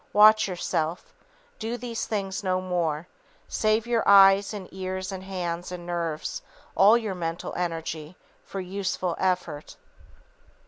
Watch yourself. Do these things no more. Save your eyes and ears and hands and nerves, all your mental energy, for useful effort.